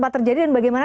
terdiri di bagaimana